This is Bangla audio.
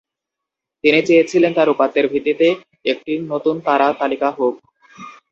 তিনি চেয়েছিলেন তার উপাত্তের ভিত্তিতে একটি নতুন তারা তালিকা হোক।